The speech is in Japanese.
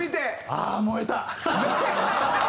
ああー燃えた！